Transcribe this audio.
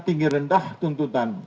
tinggi rendah tuntutan